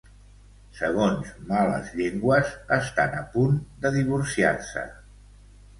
Segons males llengües, estan a punt de divorciar-se.